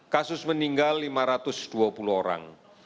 kasus meninggal lima ratus dua puluh orang